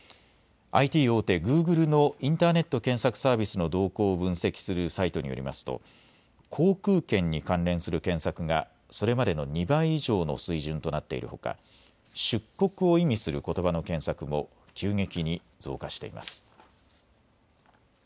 ＩＴ大手、グーグルのインターネット検索サービスの動向を分析するサイトによりますと航空券に関連する検索がそれまでの２倍以上の水準となっているほか出国を意味することばの検索も急激に増加しています。